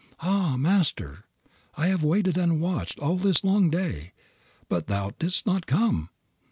"Ah, Master, I have waited and watched all this long day, but thou didst not come."